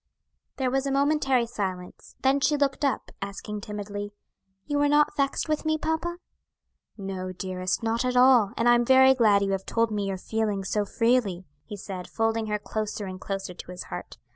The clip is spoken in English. There was a momentary silence; then she looked up, asking timidly, "You are not vexed with me, papa?" "No, dearest; not at all; and I am very glad you have told me your feelings so freely," he said, folding her closer and closer to his heart.